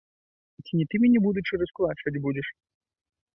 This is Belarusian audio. Гэта ці не ты мяне, будучы, раскулачваць будзеш?